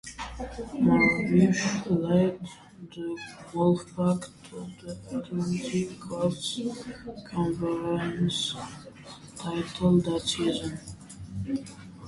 Maravich led the Wolfpack to the Atlantic Coast Conference title that season.